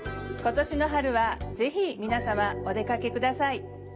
今年の春はぜひ皆様お出かけください。